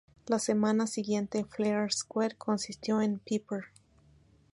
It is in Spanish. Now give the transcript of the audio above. La semana siguiente, Flair Squad consistió en Piper, Sgt.